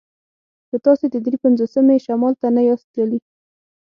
که تاسې د دري پنځوسمې شمال ته نه یاست تللي